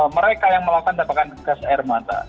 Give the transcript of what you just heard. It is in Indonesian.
mereka yang melakukan tebakan gas air mata